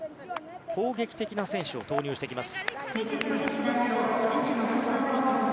攻撃的な選手を投入してきます。